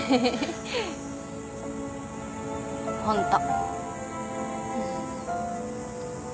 ホント。